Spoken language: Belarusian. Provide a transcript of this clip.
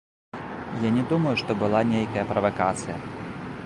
Я не думаю, што была нейкая правакацыя.